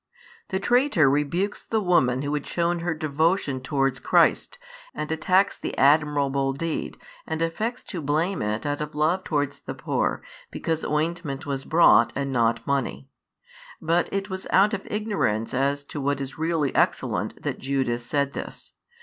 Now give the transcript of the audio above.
The traitor rebukes the woman who had shown her devotion towards Christ, and attacks the admirable deed, and affects to blame it out of love towards the poor, because ointment was brought and not money. But it was out of ignorance as to what is really excellent that Judas said this.